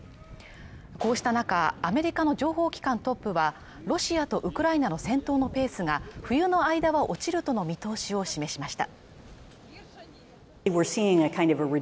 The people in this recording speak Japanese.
こうした中アメリカの情報機関トップはロシアとウクライナの戦闘のペースが冬の間は落ちるとの見通しを示しました